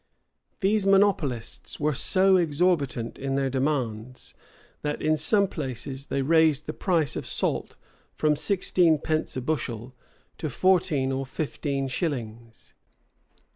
[] These monopolists were so exorbitant in their demands, that in some places they raised the price of salt from sixteen pence a bushel, to fourteen or fifteen shillings.